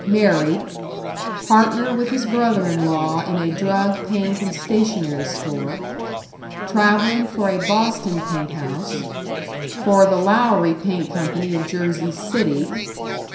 Married. Partner with his brother in law in a drug, paint, and stationery store. Traveling for a Boston paint house. For the Lowry Paint Company of Jersey City.